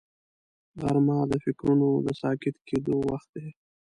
غرمه د فکرونو د ساکت کېدو وخت دی